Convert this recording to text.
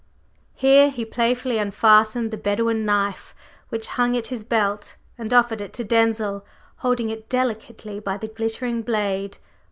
Here he playfully unfastened the Bedouin knife which hung at his belt and offered it to Denzil, holding it delicately by the glittering blade.